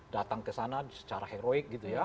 datang ke sana secara heroik gitu ya